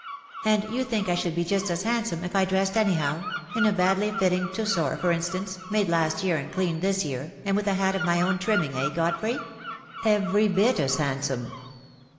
"And you think I should be just as handsome if I dressed anyhow — in a badly fitting Tussore, for instance, made last year and cleaned this year, and with a hat of my own trimming, eh, Godfrey?" "Every bit as handsome."